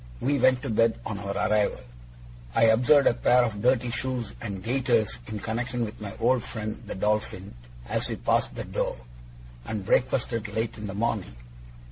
We went to bed on our arrival (I observed a pair of dirty shoes and gaiters in connexion with my old friend the Dolphin as we passed that door), and breakfasted late in the morning.